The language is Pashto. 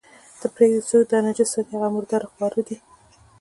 ته پرېږده، څوک چې دا نجس ساتي، هغه مرداره خواره دي.